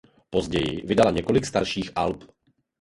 Později vydala několik dalších alb.